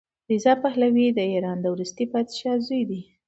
رضا پهلوي د ایران د وروستي پادشاه زوی دی.